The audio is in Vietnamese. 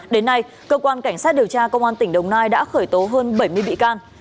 đến nay cơ quan cảnh sát điều tra công an tỉnh đồng nai đã khởi tố hơn bảy mươi bị can